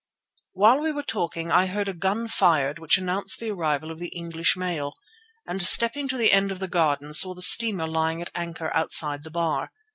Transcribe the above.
While we were talking I heard the gun fired which announced the arrival of the English mail, and stepping to the end of the garden, saw the steamer lying at anchor outside the bar.